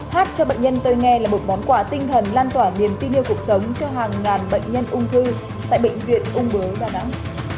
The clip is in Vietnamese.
hát cho bệnh nhân tôi nghe là một món quà tinh thần lan tỏa niềm tin yêu cuộc sống cho hàng ngàn bệnh nhân ung thư tại bệnh viện ung bướu đà nẵng